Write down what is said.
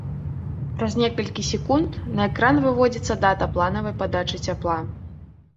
Праз некалькі секунд на экран выводзіцца дата планаванай падачы цяпла.